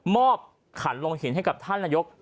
ขันลงหินให้กับท่านนายก